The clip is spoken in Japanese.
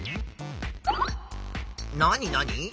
なになに？